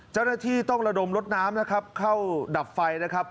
เจ้าหน้าที่ต้องระดมรถน้ำนะครับเข้าดับไฟนะครับ